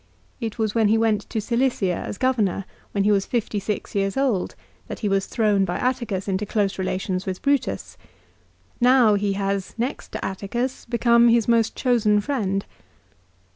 It was when he went to Cilicia as Governor, when he was fifty six years old, that he was thrown by Atticus into close relations with Brutus. Now he has, next to Atticus, become his most chosen friend.